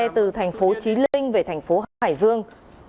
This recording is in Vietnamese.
từ thành phố trí linh về thành phố hải dương